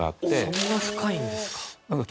そんな深いんですか。